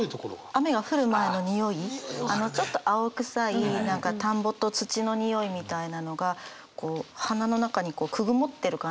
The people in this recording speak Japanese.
雨が降る前のにおいちょっと青臭い何か田んぼと土のにおいみたいなのがこう鼻の中にくぐもってる感じがすごく好きです。